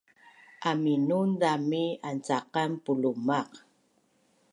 aminun zami ancaqan pulumaq